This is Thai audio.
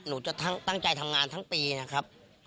หนูจะตั้งใจทำงานทั้งปีนะครับ